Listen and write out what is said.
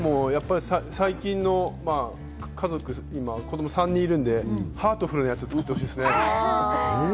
最近の家族、子供３人いるんでハートフルなやつを作ってほしいですね。